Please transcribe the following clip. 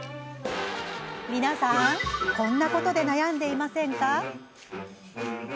みなさんこんなことで悩んでいませんか？